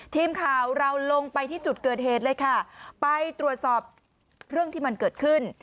ทีมข่าวเราลงไปที่จุดเกิดเหตุเลยค่ะไปตรวจสอบเรื่องที่มันเกิดขึ้น